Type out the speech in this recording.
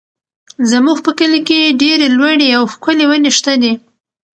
زموږ په کلي کې ډېرې لوړې او ښکلې ونې شته دي.